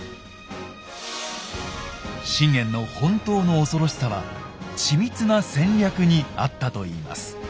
信玄の本当の恐ろしさは緻密な戦略にあったといいます。